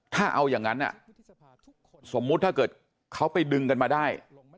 ถ้าเอาอย่างนั้นสมมุติถ้าเกิดเขาไปดึงกันมาได้